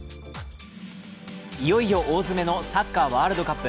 いよいよ大詰めのサッカーワールドカップ。